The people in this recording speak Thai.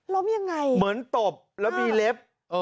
ยังไงเหมือนตบแล้วมีเล็บ